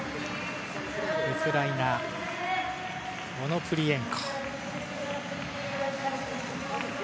ウクライナ、オノプリエンコ。